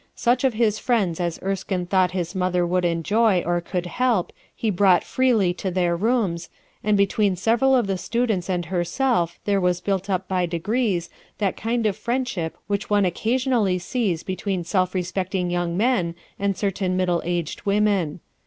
Such of his friends as Erskine thought his mother would enjoy or could help he brought freely to their rooms, and between several of the students and herself there was built up by degrees that kind of friendship which one occasionally sees between self respecting young men and certain middle aged women.